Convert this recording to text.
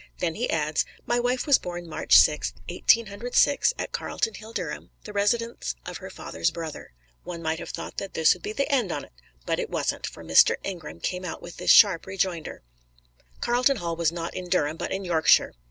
Then he adds, "My wife was born March Sixth, Eighteen Hundred Six, at Carlton Hall, Durham, the residence of her father's brother." One might ha' thought that this would be the end on't, but it wasn't, for Mr. Ingram came out with this sharp rejoinder: "Carlton Hall was not in Durham, but in Yorkshire.